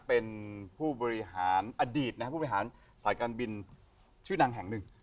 เป็นผู้บริหารอดีตนะครับผู้บริหารสายการบินชื่อดังแห่งหนึ่ง